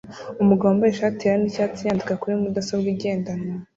Umugabo wambaye ishati yera nicyatsi yandika kuri mudasobwa igendanwa